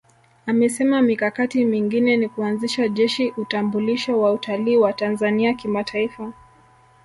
Amesema mikakati mingine ni kuanzisha Jeshi Utambulisho wa Utalii wa Tanzania Kimataifa